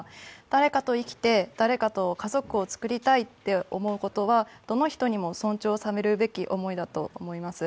誰かと生きて誰かと家族を作りたいと思うことはどの人にも尊重されるべき思いだと思います。